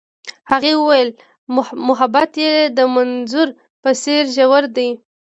هغې وویل محبت یې د منظر په څېر ژور دی.